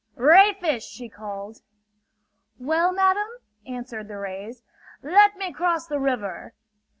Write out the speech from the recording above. "Ray fish!" she called. "Well, madam?" answered the rays. "Let me cross the river!"